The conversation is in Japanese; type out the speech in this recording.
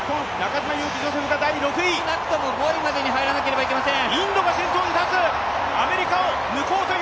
少なくとも５位までに入らなければいけません。